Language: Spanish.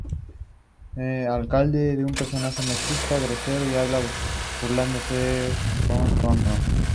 Alcalde: es un personaje machista y grosero, habla burlándose y con sorna.